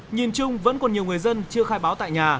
nhìn chung vẫn còn nhiều người dân chưa khai báo tại nhà